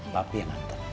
papi yang antar